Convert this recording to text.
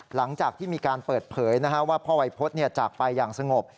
หลังจากที่มีการเปิดเผยว่าพ่อวัยพฤษจากไปอย่างสงบ